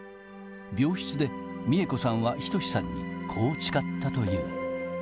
病室で三恵子さんは仁さんに、こう誓ったという。